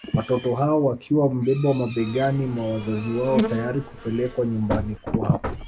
Watoto hao wakiwa wamebebwa mabegani mwa wazazi wao tayari kupelekwa nyumbani kwao